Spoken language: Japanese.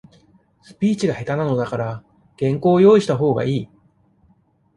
スピーチが下手なのだから、原稿を、用意したほうがいい。